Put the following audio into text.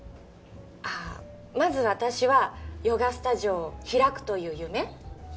ああまず私はヨガスタジオを開くという夢？